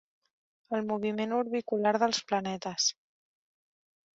El moviment orbicular dels planetes.